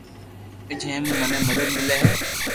جي مون مني مدد ملي ھي